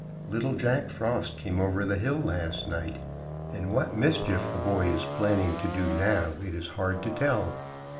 Little Jack Frost came over the hill last night, and what mischief the boy is planning to do now, it is hard to tell.